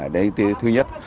đấy là thứ nhất